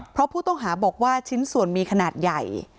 เพราะผู้ต้องหาบอกว่าชิ้นส่วนมีขนาดใหญ่